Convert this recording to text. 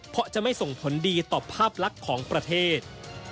เพราะจะไม่ส่งผลดีต่อภาพลักษณ์ของประเทศ